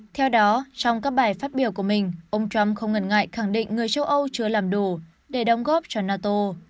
theo đó trong các bài phát biểu của mình ông trump không ngần ngại khẳng định người châu âu chưa làm đủ để đóng góp cho nato